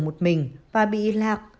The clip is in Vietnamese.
một mình và bị lạc